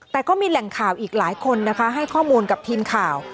แต่ก็มีแหล่งข่าวอีกหลายคนนะคะให้ข้อมูลกับทีมข่าว